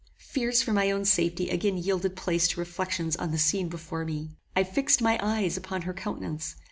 Fears for my own safety again yielded place to reflections on the scene before me. I fixed my eyes upon her countenance.